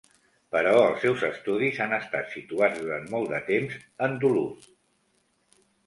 Però, els seus estudis han estat situats durant molt de temps en Duluth.